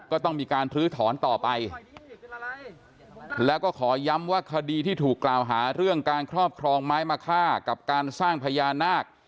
ก็ต้องมีการลื้อถอนต่อไปแล้วก็ขอย้ำว่าคดีที่ถูกกล่าวหาเรื่องการครอบครองไม้มะค่ากับการสร้างพญานาค